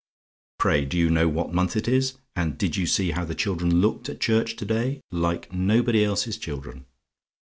Pray do you know what month it is? And did you see how the children looked at church to day like nobody else's children?